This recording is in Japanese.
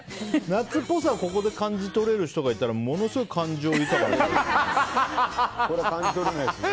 夏っぽさをここで感じ取れる人がいたらものすごい感情豊かですね。